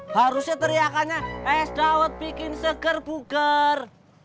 harusnya teriakannya es dawet bikin seger buger